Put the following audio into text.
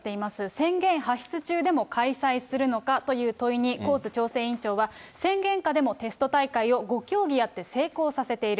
宣言発出中でも開催するのか？という問いに、コーツ調整委員長は、宣言下でもテスト大会を５競技やって成功させている。